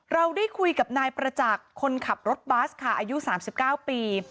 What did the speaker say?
เราได้คุยกับนายประจักษ์คนขับรถบัสค่ะอายุ๓๙ปี